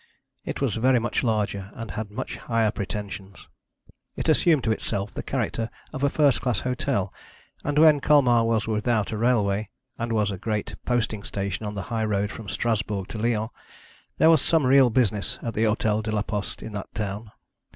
It was very much larger, and had much higher pretensions. It assumed to itself the character of a first class hotel; and when Colmar was without a railway, and was a great posting station on the high road from Strasbourg to Lyons, there was some real business at the Hotel de la Poste in that town.